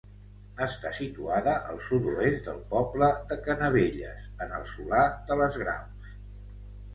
Està situada al sud-oest del poble de Canavelles, en el Solà de les Graus.